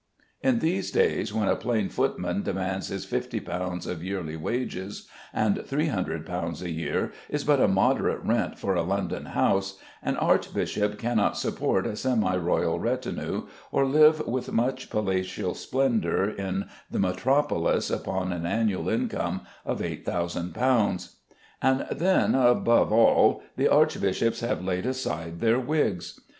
In these days, when a plain footman demands his fifty pounds of yearly wages, and three hundred pounds a year is but a moderate rent for a London house, an archbishop cannot support a semi royal retinue or live with much palatial splendour in the metropolis upon an annual income of eight thousand pounds. And then, above all, the archbishops have laid aside their wigs.